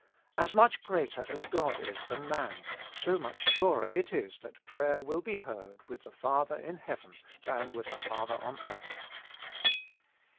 As much greater as God is than man, so much surer is it that prayer will be heard with the Father in heaven than with a father on earth.